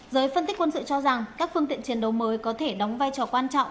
giới phân tích quân sự cho rằng các phương tiện chiến đấu mới có thể đóng vai trò quan trọng